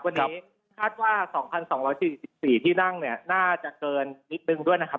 วันนี้คาดว่า๒๒๔๔ที่นั่งเนี่ยน่าจะเกินนิดนึงด้วยนะครับ